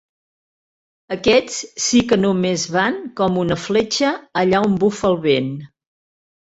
Aquests sí que només van, com una fletxa, allà on bufa el vent.